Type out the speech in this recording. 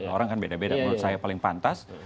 orang kan beda beda menurut saya paling pantas